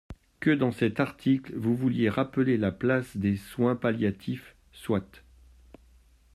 Que dans cet article, vous vouliez rappeler la place des soins palliatifs, soit.